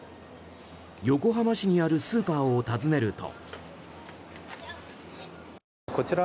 横浜市にあるスーパーを訪ねると。